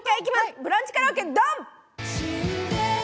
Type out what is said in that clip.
ブランチカラオケドン！